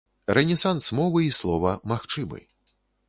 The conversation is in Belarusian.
Рэнесанс мовы і слова магчымы.